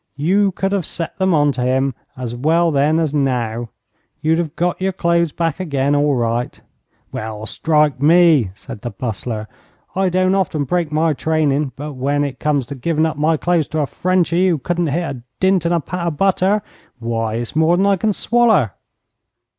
You could have set them on to him as well then as now. You'd have got your clothes back again all right.' 'Well, strike me!' said the Bustler. 'I don't often break my trainin', but when it comes to givin' up my clothes to a Frenchy who couldn't hit a dint in a pat o' butter, why, it's more than I can swaller.'